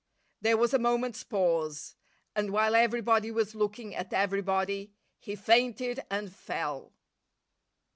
There was a moment's pause, and while everybody was looking at everybody he fainted and fell.